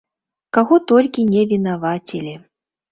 Каго толькі не вінавацілі!